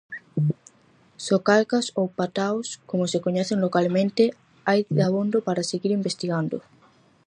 Socalcas, ou "pataos", como se coñecen localmente, hai de abondo para seguir investigando.